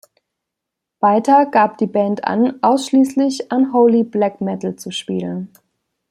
Weiter gab die Band an, ausschließlich „Unholy Black Metal“ zu spielen.